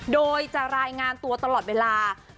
โดยจะรายงานตัวตลอดเวลา